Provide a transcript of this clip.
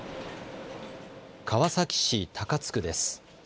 川崎市高津区です。